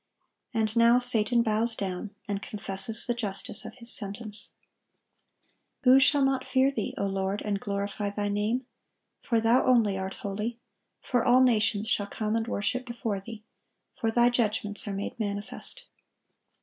And now Satan bows down, and confesses the justice of his sentence. "Who shall not fear Thee, O Lord, and glorify Thy name? for Thou only art holy: for all nations shall come and worship before Thee; for Thy judgments are made manifest."